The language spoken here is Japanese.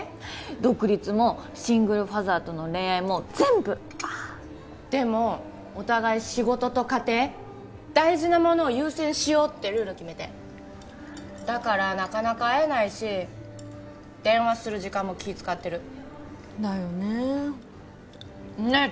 独立もシングルファザーとの恋愛も全部でもお互い仕事と家庭大事なものを優先しようってルール決めてだからなかなか会えないし電話する時間も気使ってるだよねねえ